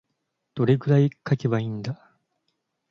どれくらい書けばいいんだ。